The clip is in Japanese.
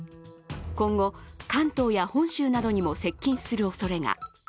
今後、関東や本州などにも接近するおそれが。